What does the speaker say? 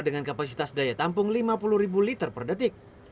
dengan kapasitas daya tampung lima puluh ribu liter per detik